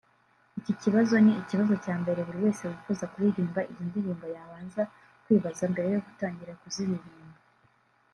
Iki kibazo ni ikibazo cya mbere buri wese wifuza kuririmba izi ndirimbo yabanza kwibaza mbere yo gutangira kuziririmba